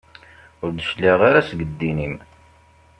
Ur d-cliɛeɣ ara seg ddin-im.